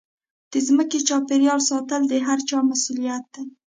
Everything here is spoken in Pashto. د ځمکې چاپېریال ساتل د هرچا مسوولیت دی.